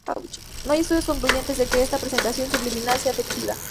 No hay estudios concluyentes de que esta presentación subliminal sea efectiva.